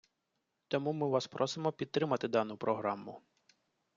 Тому ми вас просимо підтримати дану програму.